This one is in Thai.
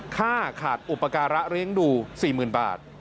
ค่าขาดอุปการะเลี้ยงดู๔๐๐๐บาท